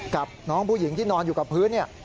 กับน้องผู้หญิงที่นอนอยู่กับพื้นเนี่ย